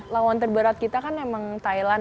lawan terberat kita kan emang thailand